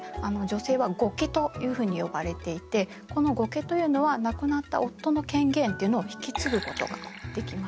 女性は後家というふうに呼ばれていてこの後家というのは亡くなった夫の権限というのを引き継ぐことができました。